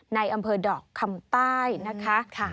ในอำเภอดอกคำใต้นะคะ